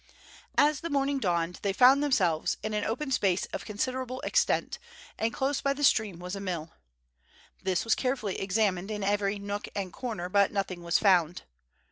As the morning dawned, they found themselves in an open space of considerable extent, and close by the stream was a mill. This was carefully examined in every nook and corner; but nothing was found.